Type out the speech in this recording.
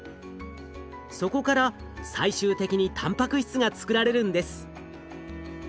そこから最終的にたんぱく質が作られるんです。